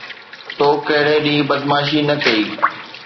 تو ڪھڙي ڏينھن بدمعاشي نه ڪئي؟